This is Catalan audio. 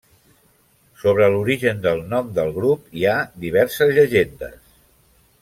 Sobre l'origen del nom del grup hi ha diverses llegendes.